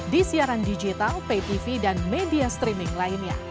di siaran digital pay tv dan media streaming lainnya